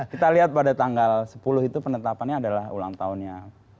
kita lihat pada tanggal sepuluh itu penetapannya adalah ulang tahunnya